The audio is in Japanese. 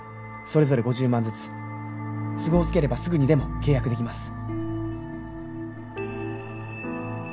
それぞれ５０万ずつ都合つければすぐにでも契約できます。